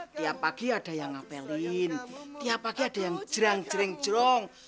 tiap pagi ada yang ngapelin tiap pagi ada yang jerang jering jerong